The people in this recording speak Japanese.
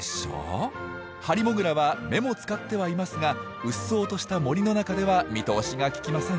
ハリモグラは目も使ってはいますがうっそうとした森の中では見通しがききません。